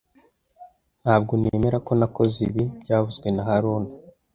Ntabwo nemera ko nakoze ibi byavuzwe na haruna